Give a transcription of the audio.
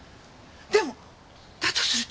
でもだとすると。